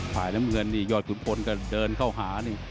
ฝ่ายน้ำเงินนี่ยอดขุนพลก็เดินเข้าหานี่